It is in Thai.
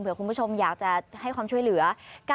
เพื่อคุณผู้ชมอยากจะให้ความช่วยเหลือ